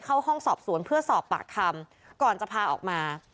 เข้าห้องสอบสวนเพื่อสอบปากคำก่อนจะพาออกมา